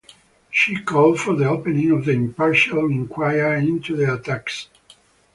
She called for the opening of an impartial inquiry into the attacks.